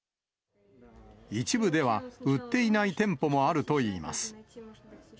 一部では、売っていない店舗もあるといいます。